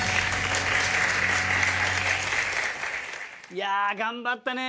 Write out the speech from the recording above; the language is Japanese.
いや頑張ったね。